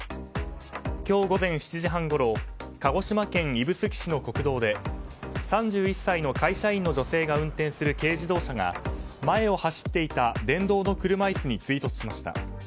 今日午前７時半ごろ鹿児島県指宿市の国道で３１歳の会社員の女性が運転する軽自動車が軽自動車が前を走っていた電動の車椅子に追突しました。